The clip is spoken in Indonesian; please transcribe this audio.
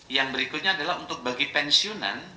yang berikutnya adalah untuk bagi pensiunan